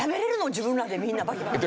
自分らでみんな。バキバキ。